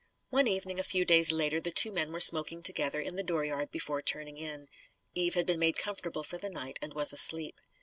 One evening a few days later the two men were smoking together in the dooryard before turning in. Eve had been made comfortable for the night and was asleep.